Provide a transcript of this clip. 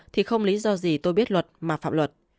thì không lý do gì tôi biết luật mà phạm luật